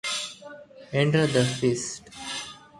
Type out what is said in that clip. Enter the Fist.